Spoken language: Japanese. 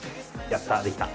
やった！